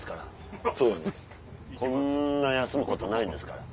こんな休むことないですから。